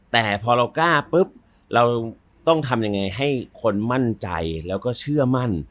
แต่พอเรากล้าปุ๊บเราต้องทำยังไงให้คนมั่นใจแล้วก็เชื่อมั่น